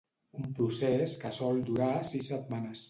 Un procés que sol durar sis setmanes.